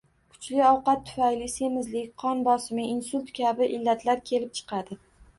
Kuchli ovqat tufayli semizlik, qon bosimi, insult kabi illatlar kelib chiqadi.